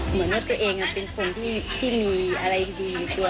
เหมือนว่าตัวเองเป็นคนที่มีอะไรดีตัว